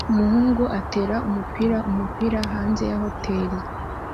Umuhungu atera umupira umupira hanze ya hoteri